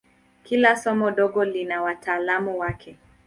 Kila somo dogo lina wataalamu wake.